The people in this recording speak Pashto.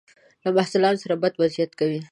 له محصلانو سره بد وضعیت کوي.